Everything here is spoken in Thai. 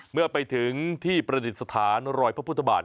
เมื่อไปถึงที่ประติศาสตร์ภรรยาพระพุทธบาตร